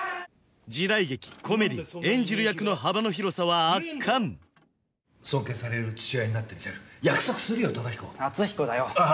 時代劇コメディー演じる役の幅の広さは圧巻尊敬される父親になってみせる約束するよタダヒコ篤彦だよああ